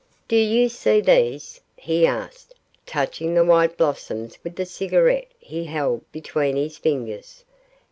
'Do you see these?' he asked, touching the white blossoms with the cigarette he held between his fingers.